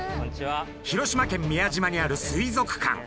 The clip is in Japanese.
広島県宮島にある水族館。